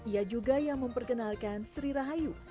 ia juga yang memperkenalkan sri rahayu